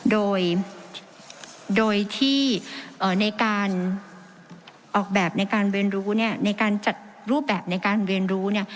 โดยโดยที่ในการออกแบบในการเรียนรู้เนี่ยในการจัดรูปแบบในการเรียนรู้เนี่ย